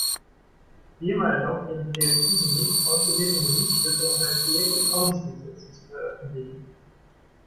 Gema erlaubt ihren Kreativen nicht, ausgewählte Musikstücke unter Creative Commons Lizenzen zu veröffentlichen.